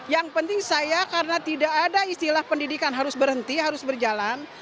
yang penting saya karena tidak ada istilah pendidikan harus berhenti harus berjalan